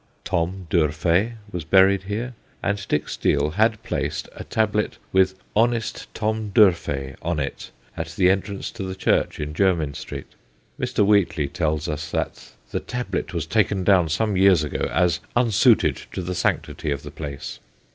Tom D'Urfey was buried here and Dick Steele had placed a tablet with ' Honest Tom D'Urfey' on it at the entrance to the church in Jermyn Street. Mr. Wheatley tells us that ' the tablet was taken down some years ago as unsuited to the sanctity of the place.'